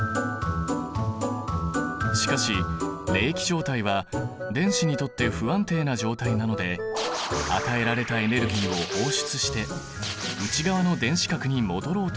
しかし励起状態は電子にとって不安定な状態なので与えられたエネルギーを放出して内側の電子殻に戻ろうとする。